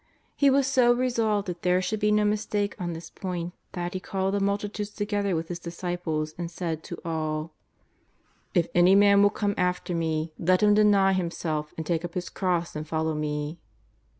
He was so resolved that there should be no mistake on this point that He called the multitudes together with His dis ciples and said to all: 260 JESUS OF N.VZARETH. '^ If any man will come after ^le, let him deny him self and take up his cross and follow Me."